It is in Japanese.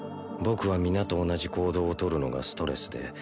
僕は皆と同じ行動を取るのがストレスで